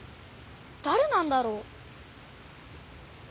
だれなんだろう？